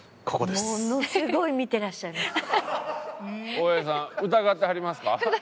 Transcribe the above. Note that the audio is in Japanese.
大江さん疑ってはりますか？